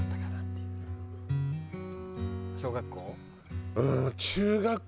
小学校？